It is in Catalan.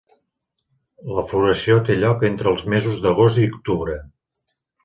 La floració té lloc entre els mesos d'agost i octubre.